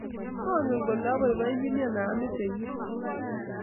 mangen kole abaibaichi anan amete kiy tugul